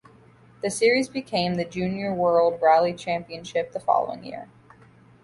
The series became the Junior World Rally Championship the following year.